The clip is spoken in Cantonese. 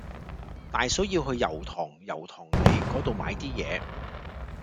大嫂要去油塘油塘里嗰度買啲嘢